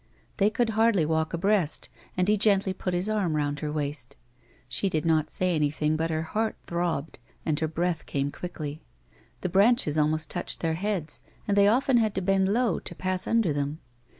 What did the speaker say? They could hardly walk abreast, and he gently put his arm round her waist ; she did not say anything, but her heart throbbed, and her breath came quickly ; the branches almost touched their heads, and they often had to bend low to pass under them.